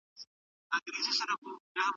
که سرور تازه نه وي نو ستونزې رامنځته کېږي.